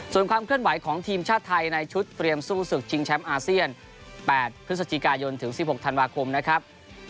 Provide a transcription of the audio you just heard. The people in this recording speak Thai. ส่วนความเคลื่อนไหวของทีมชาติไทยในชุดเตรียมสู้ศึกชิงแชมป์อาเซียน๘พฤศจิกายนถึง๑๖ธันวาคมนะครับ